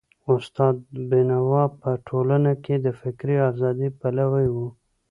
استاد بينوا په ټولنه کي د فکري ازادۍ پلوی و.